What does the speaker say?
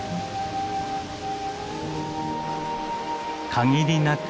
限りなく